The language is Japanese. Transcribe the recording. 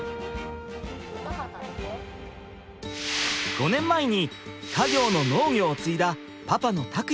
５年前に家業の農業を継いだパパの琢也さん。